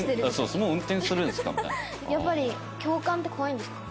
やっぱり教官って怖いんですか？